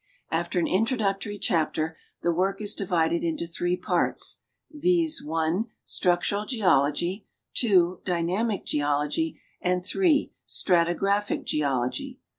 After an introductory chapter the work is divided into three parts, viz., (1) Structural geology, (2) Dynamic geology, and (3) Stratigraphic geol ogy.